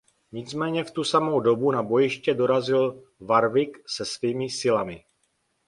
Nicméně v tu samou dobu na bojiště dorazil Warwick se svými silami.